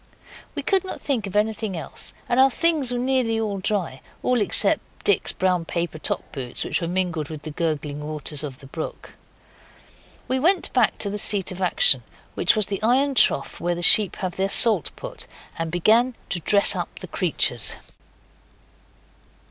We could not think of anything else, and our things were nearly dry all except Dick's brown paper top boots, which were mingled with the gurgling waters of the brook. We went back to the seat of action which was the iron trough where the sheep have their salt put and began to dress up the creatures.